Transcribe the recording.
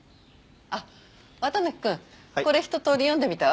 あっ綿貫くんこれひと通り読んでみたわ。